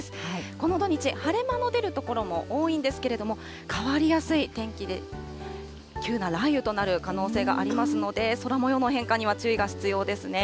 この土日、晴れ間の出る所も多いんですけれども、変わりやすい天気で、急な雷雨となる可能性がありますので、空もようの変化には注意が必要ですね。